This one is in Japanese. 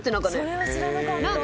それは知らなかった。